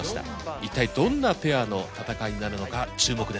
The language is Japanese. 一体どんなペアの戦いになるのか注目です。